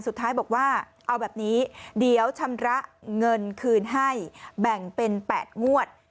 สุดท้ายบอกว่าเอาแบบนี้เดี๋ยวชำระเงินคืนให้แบ่งเป็น๘งวด